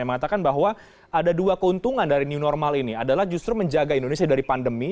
yang mengatakan bahwa ada dua keuntungan dari new normal ini adalah justru menjaga indonesia dari pandemi